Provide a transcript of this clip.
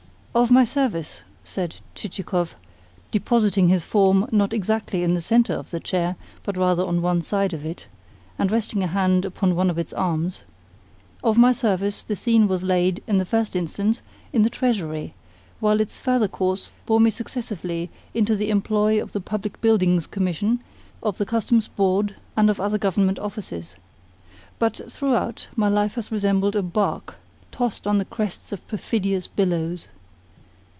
"Of my service," said Chichikov, depositing his form, not exactly in the centre of the chair, but rather on one side of it, and resting a hand upon one of its arms, " of my service the scene was laid, in the first instance, in the Treasury; while its further course bore me successively into the employ of the Public Buildings Commission, of the Customs Board, and of other Government Offices. But, throughout, my life has resembled a barque tossed on the crests of perfidious billows.